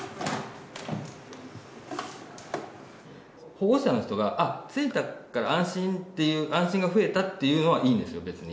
保護者の人が付いたから安心っていう安心が増えたっていうのはいいんですよ別に。